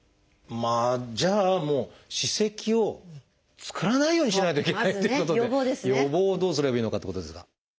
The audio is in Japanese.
じゃあもう歯石を作らないようにしないといけないっていうことで予防をどうすればいいのかってことですが。